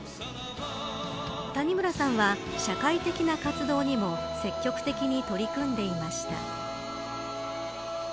谷村さんは社会的な活動にも積極的に取り組んでいました。